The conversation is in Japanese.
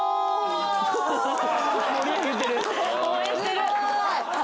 応援してる！